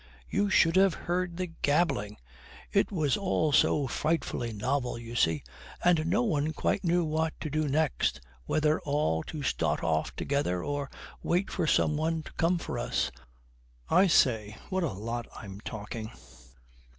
You should have heard the gabbling! It was all so frightfully novel, you see; and no one quite knew what to do next, whether all to start off together, or wait for some one to come for us. I say, what a lot I'm talking!'